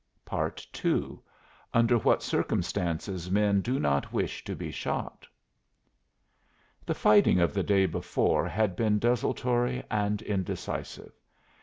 II UNDER WHAT CIRCUMSTANCES MEN DO NOT WISH TO BE SHOT The fighting of the day before had been desultory and indecisive.